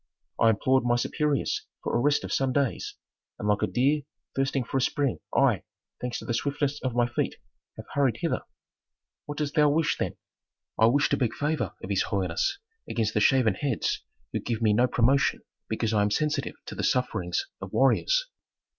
"I implored my superiors for a rest of some days, and like a deer thirsting for a spring I, thanks to the swiftness of my feet, have hurried hither " "What dost thou wish, then?" "I wish to beg favor of his holiness against the shaven heads who give me no promotion because I am sensitive to the sufferings of warriors."